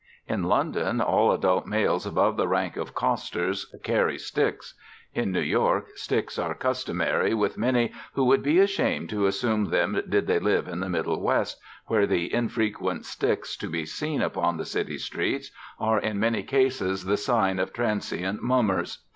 In London all adult males above the rank of costers carry "sticks"; in New York sticks are customary with many who would be ashamed to assume them did they live in the Middle West, where the infrequent sticks to be seen upon the city streets are in many cases the sign of transient mummers.